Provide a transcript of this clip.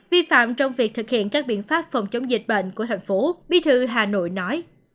vi phạm trong việc thực hiện các biện pháp phòng chống dịch bệnh của thành phố bí thư hà nội nói